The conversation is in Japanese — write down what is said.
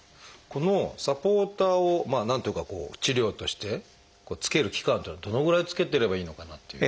このサポーターを何ていうかこう治療としてつける期間っていうのはどのぐらいつけてればいいのかなっていう。